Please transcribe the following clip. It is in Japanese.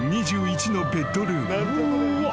［２１のベッドルーム］